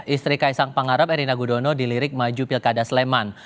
istri kaisang pangarep erina gudono dilirik maju pilkada sleman